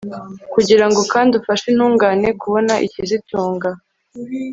kugira ngo kandi ufashe intungane kubona ikizitunga